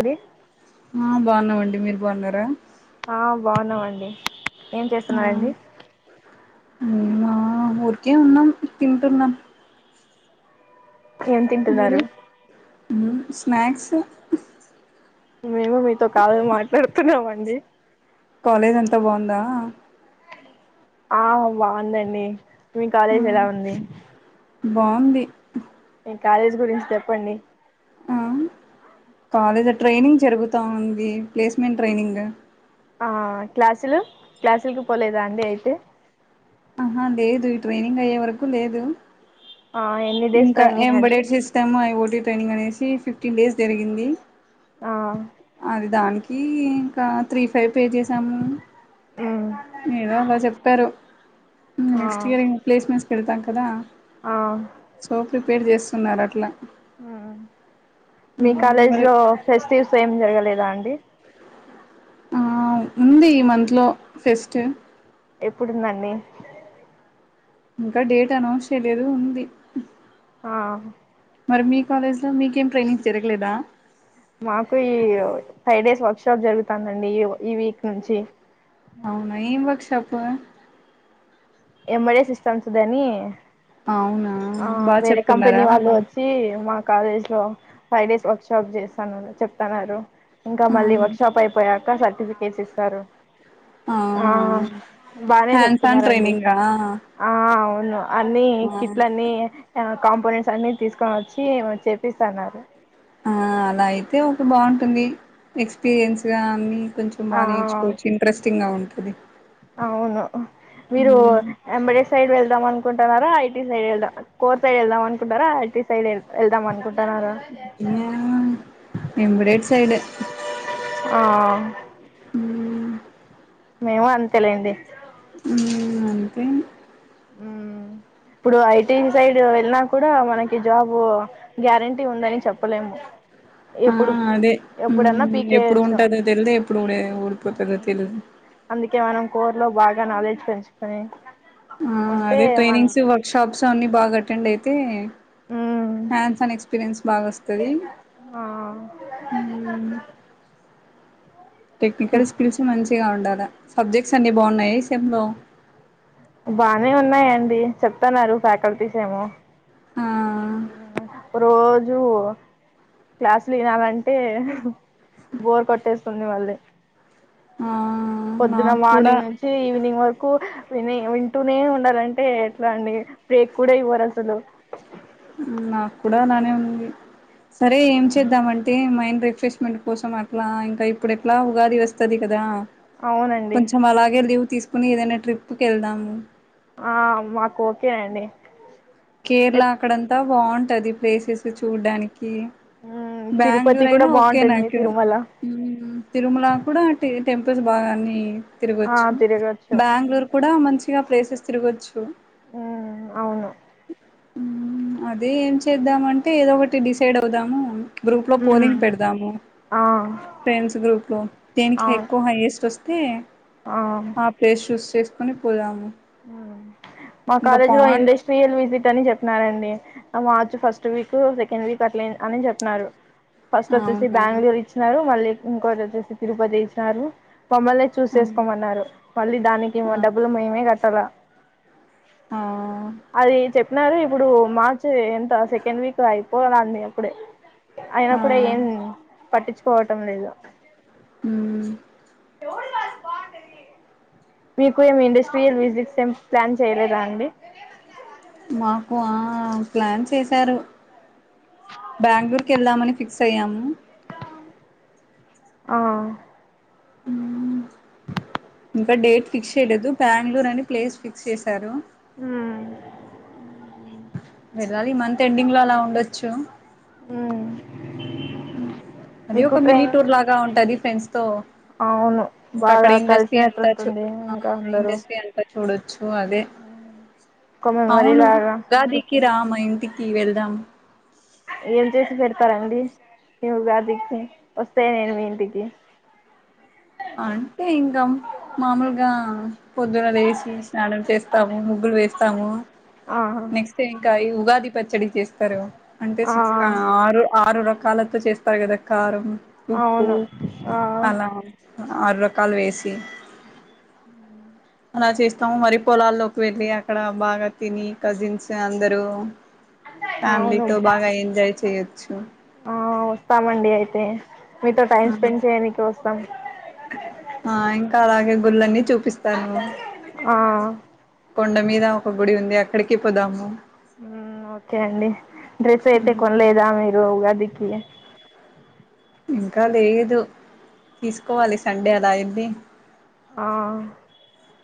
అది ఆ బావున్నామండి మీరు బావున్నారా ఆ బావున్నామండి ఏం చేస్తున్నారండి మేమాఊరికే ఉన్నాం తింటున్నాం ఏం మీరు తింటున్నారు మ్మ్ స్నాక్స్ మేము మీతో కాల్ మాట్ పెడుతున్నామండి కాలేజ్ అంతా బాగుందా ఆ బాగుందండి మీ కాలేజ్ ఎలా ఉంది బాగుంది కాలేజీ గురించి చెప్పండి ఆ కాలేజ్ ట్రైనింగ్ జరుగుతా ఉంది ప్లేస్మెంట్ ట్రైనింగ్ ఆ క్లాసులు క్లాసులికి పోలేదా అండి అయితే ఆహా లేదు ఈ ట్రైనింగ్ అయ్యేవరకు లేదు ఆ ఎన్ని డేస్ ఇంక ట్రైనింగ్ అండి ఎంబడైడ్ సిస్టమ్ అయి ఓటీటి ట్రైనింగ్ అనేసి ఫిఫ్టీన్ డేస్ జరిగింది ఆ అది దాని కీ ఇంకా త్రీ ఫైవ్ పే జేసాము మ్ ఏదో అలా చెప్పారు మ్మ్ ఆ నెక్స్ట్ ఇయర్ ఇంగ్ ప్లేస్మెంట్స్ పెడతాం కదా ఆ సో ప్రిపేర్ చేస్ తున్నారు అట్ల ఆ మీ మ్ కాలేజీ మరి లో ఫెస్టివ్స్ ఏం జరగలేదా అండి ఆ ఉంది ఈ మంత్ లో ఫెస్ట్ ఎప్పుడుందండి ఇంకా డేట్ అనౌన్స్ చేయలేదు ఉంది ఆ మరి మీ కాలేజ్ లో మీకేం ట్రైనింగ్ జరగలేదా మాకు ఈ ఫైవ్ డేస్ వర్క్ షాప్ జరుగుతాందండి ఈ ఈ వీక్. నుంచి అవునా ఏం బ చెప్పు ఎమ్డే సిస్టమ్స్ దాని అవునా ఆ బాగా వేరే కంపెనీ చెప్తున్నారా వాళ్ళు వచ్చి మా కాలేజ్ లో ఫైవ్ డేస్ వర్క్ షాప్ చేస్తానని చెప్తన్నరు, ఇంకా ఆ మళ్ళీ వర్క్షాప్ అయిపోయాక సర్టిఫికెట్స్ ఇస్తారు. ఆ అవునా బానే హ్యాండ్స్ ఆన్ చెప్తున్నారండి. ట్రైనింగా ఆ అవును. అన్నీ ఆ కిట్లన్నీ ఆ కాంపోనెంట్ ట్స్ అన్ని తీసుకొనొచ్చీ మన చేత్ పిస్తన్నారు ఆ అలా అయితే ఒకె బాగుంటుంది. ఎక్స్పీరియన్స్గా అన్నీ. కొంచం బా ఆ నేర్చుకోవచ్చు. ఇంట్రెస్టింగా ఉం అది అవును. మీరూ ఎంబడెడ్ సైడ్ వెళ్దాం అనుకుంటున్నా రా ఐటి సైడ్ ఎల్దా, కోర్ సైడ్ వెళ్దాం అనుకుంటున్నారా, ఐటి సైడ్ ఎల్ వెళ్దాం అనుకుంటున్నార. ఎంబడేడ్ స్ సైడే. ఆ హ్మ్ మేమూ అంతేలెండి. హ్మ్ అంతే ఊ ఇప్పుడూ ఐటీ సైడూ వెళ్ళినా కూడా మనకి జాబూ గ్యారంటీ ఉందని చెప్పలేము. ఆ ఎప్పుడు అదే ఎప్పుడన్నా ఉమ్ ఎప్పుడు పీకేయచ్చు ఉంటదో తెలిదు, ఎప్పుడు ఊడే ఊడిపోతదో తెలీదు. దాన్ నాలేడ్జ్ పెంచుకొనీ ఆ అదే ట్రైనింగ్స్ వర్ ర్క్ షాప్స్ అన్నీ బాగా అటెండ్ అయితే. మ్మ్. హ్యాండ్స్ అన్ ఎక్స్పీరియన్స్ బాగా వస్తదీ. ఆ హ్మ్ టెక్నికల్ స్కిల్స్ మంచిగా ఉండాల్ సబ్జెక్ట్స్ అన్ని బాగున్నాయ ఈ సెమ్లో. బానే ఉన్నాయండి చెప్తానారు ఫ్యాకల్టీస్ ఏమో. ఆ హ్మ్ రోజ్ జూ. క్లాసులు ఇనాలంటే బోర్ కొట్టేస్తుంది మళ్ళీ. ఆ పొద్దున నాకు కూడా మార్నింగ్ నుంచీ ఈవినింగ్ వరకూ విని వింటూనే ఉండాలం టే ఎట్లా అండి. బ్రేక్ కూడా ఇవ్వరు అసలు. నాకు కూడా అలానే ఉంది. సరే ఏం చేద్దాము అంటే మైండ్ ప్రిప్ రిఫ్రెష్మెంట్ కోసం అట్లా, ఇంకా ఇప్పుడు ఎట్లా ఉగాది వస్తది కదా. అవునండి కొంచెం అలాగే లీవు తీస్ కొనీ ఏదైనా ట్రిప్పు కెళ్దాము. ఆ మాకు ఓకే అండి. కేరళ అక్కడంతా. బాగుంటది ప్లేసెస్ చూడ్డానికి. మ్, తిరుపతి బెంగళూరు కూడా అయినా ఓకే బాగుంటుంది నాకు తిరుమల తిరుమల కూడా. ఈ టెంపుల్స్ బాగా అన్ని. ఆ తినవచ్చు తిరగచ్చు బెంగుళూరు కూడా మంచి. ఇగా ప్లేసెస్ తిరగవచ్చు. ఉ అవును. అదే ఏం చేద్దామంటే ఏదో ఒకటి డిసైడ్ అవుదాము. గ్రూప్ లో మ్, పోలింగ్ పెడదాము. ఆ ఫ్రెండ్స్ గ్రూప్ లో దేనికి అవును ఎక్కువ హైయేస్ట్ వస్తే ఆ ప్లేస్ చూస్ చేస్త. కొని పోదాం. హమ్ మా కాలేజీలో ఇండస్ట్రియల్ విజిట్ అని చెప్పినారండి. March first week second week అట్లే అని చెప్పినారు. ఫస్ట్ వచ్చేసి అవునా బెంగళూరు ఇచ్చినారు మళ్లీ. ఇంకొకటి వచ్చేసి తిరుపతి ఇచ్చినారు. మమ్మల్ని చూస్ చేసుకోమన్నారు. మళ్లీ దానికి ఏమో ఆ డబ్బులు మేమే కట్. రా. ఆ అది చెప్పినారు. ఇప్పుడు మార్చు ఎంత సెకండ్ వీక్ అయ్ పోనండి అప్పుడే. అయినా ఆ అప్పుడే ఏం పట్టించ్చ్. పోవటం లేదు. హ్మ్ మీకు ఏం ఇండస్ట్రియల్ విసిట్స్ ఏం. ప్లాన్ చేయలేదా అండి. ఊహ ప్లాన్స్ వేసారు. బెంగుళూరు కెల్దమని. ఫిక్స్ అయ్యాం. ఆ. ఇంకా డేట్ ఫిక్స్ చేయలేదు బెంగళూరు అని ప్లేస్ ఫిక్స్ చేసారు. మ్మ్ ఉమ్మ్ వెళ్ళాలి ఈ మంత్ ఎండింగ్ లో అలా ఉండొచ్చు ఉమ్ అది ఒక మినీ టూర్ లాగా ఉంటది ఫ్రెండ్స్ తో అవును ఇంక అక్కడ బాగా కలిసినట్టుంటుంది ఇంకా అందరూ ఇండస్ట్రీ అంత చూడొచ్చు అదే ఒక మెమరీ అవును లాగా ఉగాదికి రా మా ఇంటికి వెళ్. దమ్. రీల్ చేసి పెడతారా అండి ఈ ఉగాదికి. వస్తే నేను మీ ఇంటికి. అంటే ఇంకా మామూలుగా. పొద్దున లేచి స్నానం చేస్. స్తాము ముగ్గులు వేస్తాము ఆహా నెక్స్ట్ంకా ఇ ఉగాది పచ్చడి చేస్తారు అంటే ఆ సిక్స్ ఆరు ఆరు ర కాలతో చేస్తారు కదా కారం ఉప్పు అవును ఆ అలా ఆరు రకాలు వేసి ఉమ్ అలా చేస్తాము మరి పొలాల్లోకి వెళ్ళి అక్కడ బాగా తిని కజిన్స్ అందరుూ అవును ఫ్యామిలీతో బాగా ఎంజాయ్ చేయొచ్చు వాస్థమ అండీ అయితే మీతో టైమ్ ఆహా స్పెండ్ చేయడానికి వస్త ఇస్తం ఆ ఇంకాళగే గుల్ళని చూపిస్తాను ఆ కొండ మీద ఒక గుడి ఉంది అక్కడికి పోదాము ఉమ్ ఓకే అండి డ్రెస్ అయితే కొనలేదా మీరు ఉగాది కి ఇంకా లేదు తీసుకోవాలి సండే అలా ఎలీ ఆ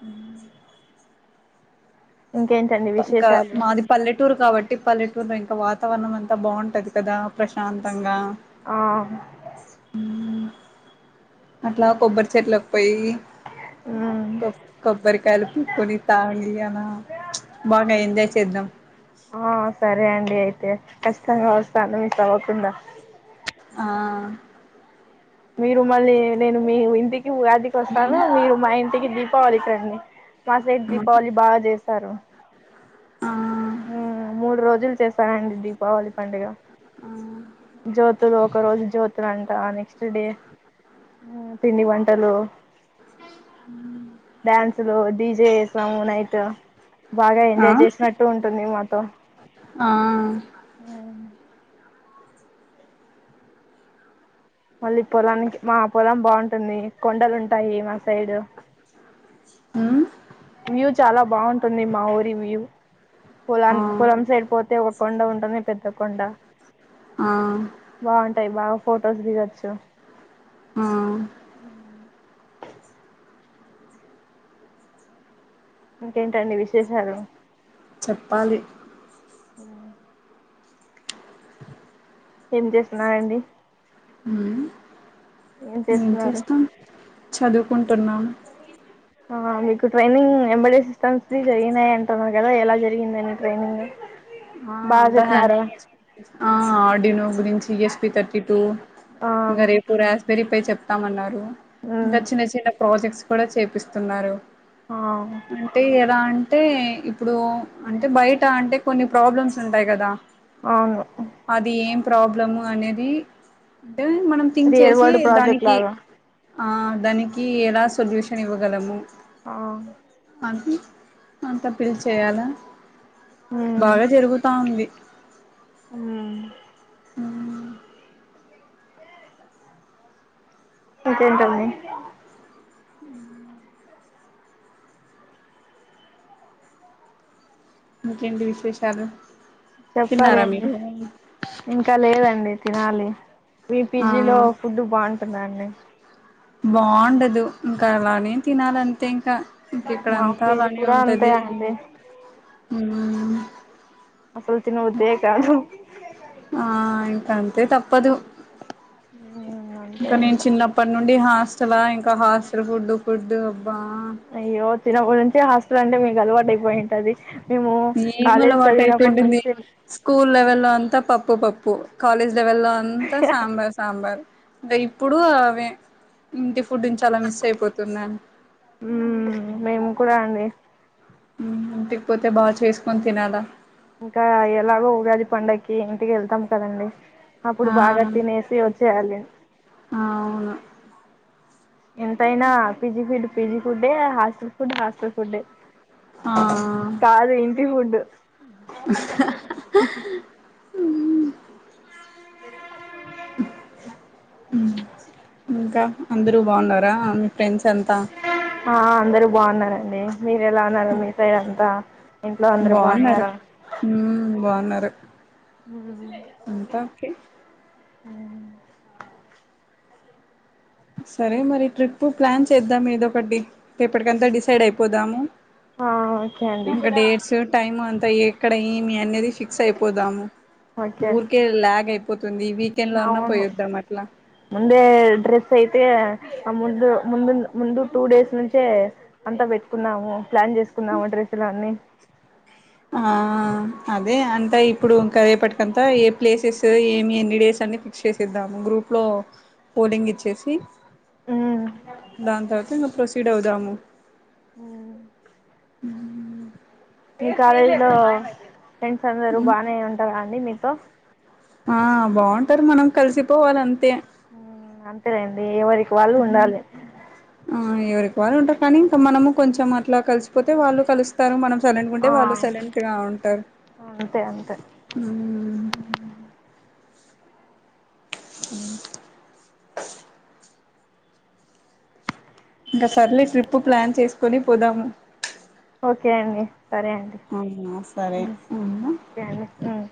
ఉమ్ ఇంకేంటండి ఇంకా విశేషాలు మాది పల్లెటూరు కాబట్టి పల్లెటూరు ఇం కా వాతావరణం అంతా బాగుంటది కదా ప్రశాంతంగా ఆ అట్లా కొబ్బరి చెట్లకి పోయి మ్మ్ కొ కొబ్బరికాలు పికొని తాగి అలా బాగా ఎంజాయ్ చేద్దాం డి అయితే కష్టంగా వస్తాను మీస్ అవ్వకుండా ఆ మీరు మళ్ళీ నేను మీ ఇంటిక్ ఈ ఉగాదికి వస్తారు మీరు మా ఇంటికి దీ పోవాలి కని మా సిడ్ దీపావళి బాగా చేస్తారు అ ఉమ్ మూడు రోజులు చేస్తానండి దీపావళి పండాగ ఆ జ్యోతులు ఒక రోజు జ్యోతుల అంట నెక్స్ట్ డే ఉ పిండి వంటలు డ్యాన్సు లోజ్ డీజే సాంగ్ నైతా బాగా ఆ ఎంజాయ్ చేసినట్టు ఉంటుంది మాతో ఆ ఆ మళ్ళీ పొలానికి మా పొలం బాగుంటుంది కొండలుంటాయి మా సైడ్ ఉ వ్యూ చాలా బాగుంటుంది మా ఊరి వ్యూ ఆ పొలాన్ పొలం సైడ్ పోతే ఒక కొండ ఉంటుంది పెద్ద కొండ ఆ బాగుంటాయి బాగు ఫోటోస్ దిగచ్చు ఉ ఇంకేంటండి విశేషాలు చెప్పాలి ఆ ఏం చేస్తున్నారండి ఉ ఏం ఎం చేస్తున్నారు చేస్తాం చదువుకున్ టున్న ఆ మీకు ట్రైనింగ్ ఎంబల్ ఇస్తా సిస్టమ్స్ జరిగినాయి అంటున్నారు కదా ఎలా జరిగిందండి ట్రైనింగ్ బాగా చెప్పినారు ఆ ఆడినో గురించి స్పి థర్టీ టూ ఆ ఇంగా రేపు యాస్బెరీ పై చెప్ తమన్నారు మ్మ్ ఇంకా చిన్న చిన్న ప్రాజెక్ట్స్ కూడా చేపిస్తున్నారు ఆ అంటే ఎలా అన్ అంటే ఇప్పుడు అంటే బయట అంటే కొన్ని ప్రాబ్లమ్స్ ఉంటాయి గదా అవును ప్రాబ్లము అనేది దిల్ మనం థింక్ రియల్ చేసి వరల్డ్ ప్రాజెక్ట్ దానికి లాగా ఆ దానికి ఎలా సొల్యూష్. నివ్వగలము ఆ అది అంతా పీలు చేయాలా బాగా జరుగుతా ఉంది ఉ హ్మ్. అంతే అంట అండి ఇంకేంటి విశేషాలు చెప్పాలి తిన్నారా అండి మీరు ఇంకా లేదండి తినాలె. ఆ వీపీజీ లో ఫుడ్డు బాంటుందాండి. బాండదు ఇంక అలానే తినాలంతే ఇంక ఇక్కడ మా అంతా పీజి కుడా అంతే అండి. ఉమ్ అసలు తినబుద్దె కాదు. ఆ ఇంక అంతే తప్పదు. ఉమ్ అంతే ఇంక నేన్ ఇంకా చిన్నప్పట్ నుండి హాస్ చలా ఇంక హాస్టల్ ఫుడ్డు ఫుడ్డు. అయ్యో చినబ్బుడ్ నుంచి హాస్. ట్లంటే మీకలవాటైపోయింటాది. ఏమలవాటైపోయ్ంటుంది స్కూల్ లెవెల్లో అ. త పప్పు పప్పు కాలేజ్. లెవెల్లో అంతా సాంబార్ సాంబార్. ఇంగ ఇప్పుడు అవే ఇంటి ఫ్ ఫుడ్డున్ చాలా మిస్సైపోతున్నా. ఉమ్ మేము [unintelligible] ఇంటిక్ పోతే బాగ్ చేస్కొన్ తినాలా. ఇంకా ఎలాగో ఉగాది పండక్కి ఇంటికెళ్తాం కదండి. అప్పుడు ఆ బాగా తినేసి వచ్చేయ్యాలి. అవును ఎంతైనా పీజీ ఫిడ్డి పీజీ ఫుడ్డె హాస్టల్ ఫుడ్ హాస్టల్ ఫుడ్డె. ఆ టి ఫుడ్డు. క [inaudible] అ [inaudible] ఉమ్. ఇంకా అందురూ బాన్నారా మీ ఫ్రెండ్స్. అంతా ఆ అందరు బాగున్నారండి మీరు ఎలా ఉన్నారు మీ సైడ్ అంతా ఇంట్లో అందరు బాగున్నారు బాగున్నారా ఉమ్ బాగున్నారు ఉమ్ ఉమ్ అంతా ఓకే సరే మరి ట్రిప్పు ప్లాన్ చేద్దామేదొకటి రేపటికంతా డిసైడైపోదాము. ఆ ఓకే అండి ఇక డేట్సు టైము అంత్. త ఏక్కడ ఏమి అన్నెదిష్ ఫిక్స్ అయిపోదాము ఓకే ఓకే ఊరికే ల్యాగ్ అయిపోతుంది వీకెండ్ లో ఉన్నా అవును పోయిద్దాం అట్లా సైతే ముందు ముం ముం ముందు టూ డేస్ నుంచే అంతా పెట్టుకున్నాము ప్లాన్ చేసుకున్నాము డ్రెస్లన్నీ ఆ అదే అంతె ఇప్పుడు ఇంకా రెపటికంత ఏ ప్లేసెస్ ఏమి ఎన్ని డేస్ అన్ని ఫిక్స్ చేసేద్దాము గ్రూప్లో పోలింగ్ ఇచ్చేసి మ్మ్ దాం తర్వాత మ ప్రస్ ప్రొసీడ్ అవుదాము ఊమ్ మీకాలేజ్లో ఫ్రెండ్స్ అందరు బానే ఉంటారండి మీ తో ఆ బాగుంటారు మనం కలిసిపోవాలి అంతే ఆ అంతేలేండి ఎవరి వాళ్ళు ఉండాలి ఆ ఎవరికి వాళ్ళు ఉంటారు కానీ ఇంకా మనము కొంచెం అట్లా కలిసిపోతే వాళ్ళు కలుస్తారు మనం సైలెంట్కుంటే ఆ వాళ్ళు సైలెంట్ గా ఉంటారు అంతే అంతే ఊమ్ ఊమ్ ఇంకా సర్లే ట్రిప్పు ప్లాన్ చేసుకొని పోదాము ఓకే అండి సరే అండి అవునా సరే ఉమ్ అవునా సరే ఉమ్